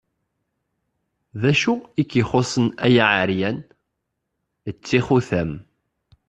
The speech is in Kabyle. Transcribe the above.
D acu i k-ixuṣṣen ay aεeryan? D tixutam!